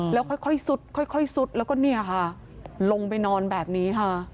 แล้วค่อยซุดค่อยซุดแล้วก็เนี่ยค่ะลงไปนอนแบบนี้ค่ะ